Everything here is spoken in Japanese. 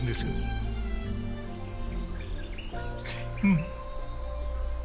うん。